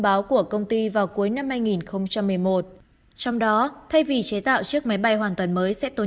báo của công ty vào cuối năm hai nghìn một mươi một trong đó thay vì chế tạo chiếc máy bay hoàn toàn mới sẽ tối